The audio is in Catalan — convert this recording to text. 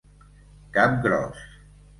Cap gros.